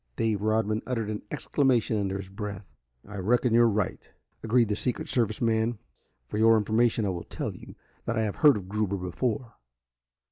Dave Rodman uttered an exclamation under his breath. "I reckon you're right," agreed the Secret Service man. "For your information I will tell you that I have heard of Gruber before.